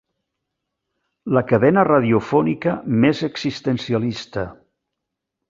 La cadena radiofònica més existencialista.